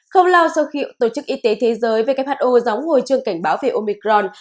không lâu sau khi tổ chức y tế thế giới who gióng ngồi trường cảnh báo về omicron